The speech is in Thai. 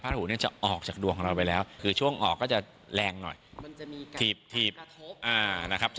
พระราหูจะออกจากดวงเราไปแล้วคือช่วงออกก็จะแรงหน่อยถีบ